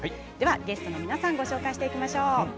ゲストの皆さんご紹介していきましょう。